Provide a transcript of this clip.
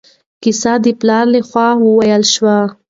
کیسه د پلار له خوا وویل شوه.